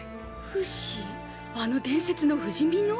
あの伝説の不死身の？